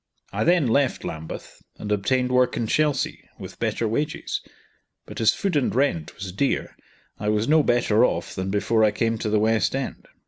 I then left Lambeth, and obtained work in Chelsea, with better wages; but as food and rent was dear, I was no better off than before I came to the West End.